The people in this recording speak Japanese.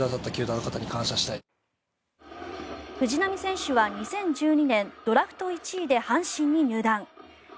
藤浪選手は２０１２年ドラフト１位で阪神に入団。